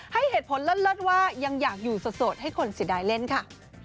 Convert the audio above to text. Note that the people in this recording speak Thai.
ให้เหตุผลเลิศว่ายังอยากอยู่โสดให้คนเสียดายเล่นค่ะ